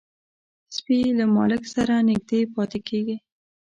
سپي له مالک سره نږدې پاتې کېږي.